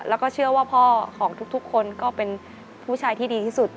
แล้วก็เชื่อว่าพ่อของทุกคนก็เป็นผู้ชายที่ดีที่สุด